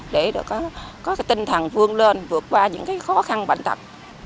để có tinh thần vươn lên vượt qua những khó khăn bệnh tật